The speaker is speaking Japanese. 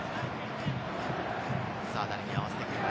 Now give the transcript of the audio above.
誰に合わせてくるか。